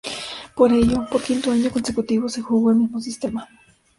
Por ello, por quinto año consecutivo, se jugó el mismo sistema.